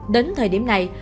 đến thời điểm này